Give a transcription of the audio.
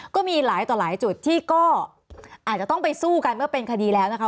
ก็มีหลายต่อหลายจุดที่ก็อาจจะต้องไปสู้กันเมื่อเป็นคดีแล้วนะคะ